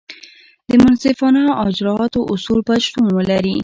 د منصفانه اجراآتو اصول باید شتون ولري.